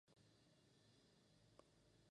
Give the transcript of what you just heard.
Scott St.